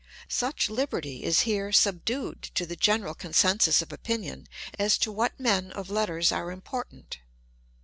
Such liberty is here subdued to the general consensus of opinion as to what 'men of letters are important.